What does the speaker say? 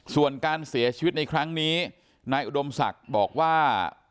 ส่วนการเสียชีวิตในครั้งนี้นายอุดมศักดิ์บอกว่า